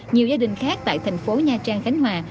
nhiều gia đình khác tại thành phố nha trang khánh hòa